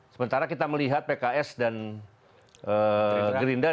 sementara kita melihat pks dan gerindra